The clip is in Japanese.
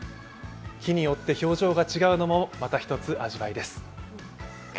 木によって表情が違うのもまた一つ、味わいです。